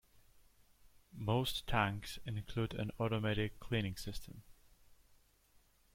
Most tanks include an automatic cleaning system.